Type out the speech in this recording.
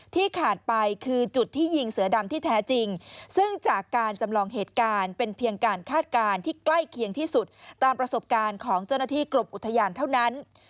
ขาดไปคือจุดที่ยิงเสือดำที่แท้จริงซึ่งจากการจำลองเหตุการณ์เป็นเพียงการคาดการณ์ที่ใกล้เคียงที่สุดตามประสบการณ์ของเจ้าหน้าที่กรมอุทยานเท่านั้น